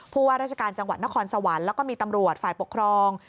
ว่าราชการจังหวัดนครสวรรค์แล้วก็มีตำรวจฝ่ายปกครอง